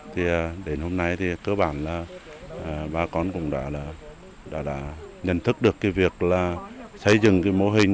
thì đến hôm nay thì cơ bản là bà con cũng đã nhận thức được cái việc là xây dựng cái mô hình